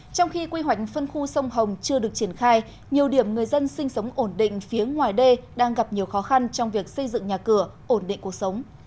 trong khi quy hoạch phân khu sông hồng chưa được triển khai nhiều điểm người dân sinh sống ổn định phía ngoài đê đang gặp nhiều khó khăn trong việc xây dựng nhà cửa ổn định cuộc sống